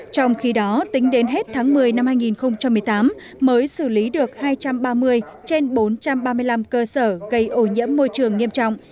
trong khi đó tính đến hết tháng một mươi năm hai nghìn một mươi tám mới xử lý được hai trăm ba mươi trên bốn trăm ba mươi năm cơ sở gây ổ nhiễm môi trường nghiêm trọng